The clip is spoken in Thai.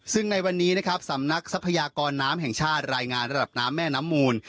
ซึ่งในวันนี้นะครับสำนักทรัพยากรน้ำแห่งชาติรายงานระดับน้ำแม่น้ำมูล